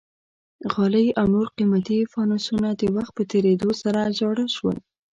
غالۍ او نور قیمتي فانوسونه د وخت په تېرېدو سره زاړه شول.